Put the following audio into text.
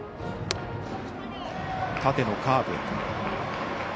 縦のカーブ。